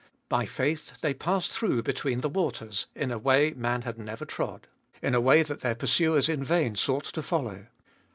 By faith they passed through between the waters in a way man had never trod, in a way that their pursuers in vain sought to follow.